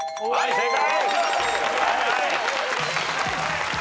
正解。